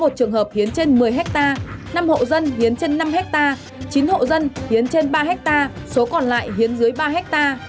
trường hợp hiến trên một mươi ha năm hộ dân hiến trên năm ha chín hộ dân hiến trên ba ha số còn lại hiến dưới ba ha